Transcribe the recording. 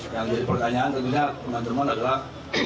yang jadi pertanyaan tentunya teman teman adalah